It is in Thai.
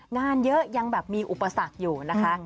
งานเยอะยังแบบมีอุปสรรคอยู่นะคะ